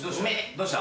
どうした？